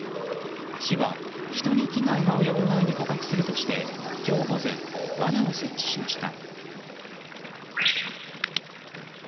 市は、人に危害が及ぶ前に捕獲するとして今日午前、わなを設置しました。